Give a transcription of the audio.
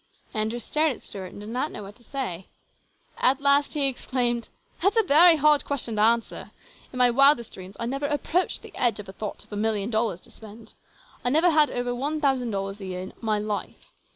Andrew stared at Stuart and did not know what to say. At last he exclaimed :" That's a very hard question to answer ! In my wildest dreams I never approached the edge of a thought of a million dollars to spend. I never had over one thousand dollars a year in my life.